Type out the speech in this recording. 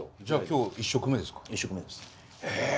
じゃあ今日１食目ですか？